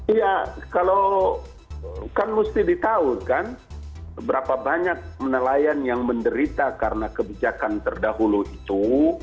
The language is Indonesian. iya kalau kan mesti ditahu kan berapa banyak nelayan yang menderita karena kebijakan terdahulu itu